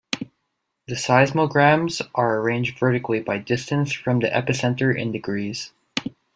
The seismograms are arranged vertically by distance from the epicenter in degrees.